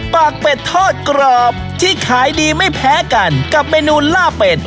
ปากเป็ดทอดกรอบที่ขายดีไม่แพ้กันกับเมนูล่าเป็ด